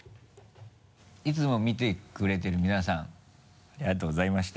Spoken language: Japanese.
「いつも見てくれてる皆さんありがとうございました」